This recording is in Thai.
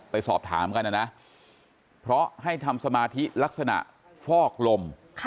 ไปสอบถามกันนะนะเพราะให้ทำสมาธิลักษณะฟอกลม